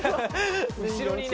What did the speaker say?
後ろにね